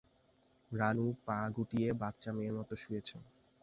রানু পা গুটিয়ে বাচ্চা মেয়ের মতো শুয়েছে।